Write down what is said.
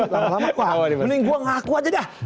lama lama aku hampir mending saya ngaku aja dah